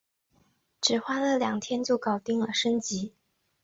只花了两天就搞定了升级